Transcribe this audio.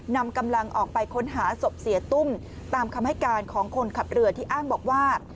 นำกำลังออกไปค้นหาศพเสียตุ้มตามคำให้การของคนขับเรือที่อ้างบอกว่า